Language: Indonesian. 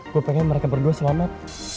gue pengen mereka berdua selamat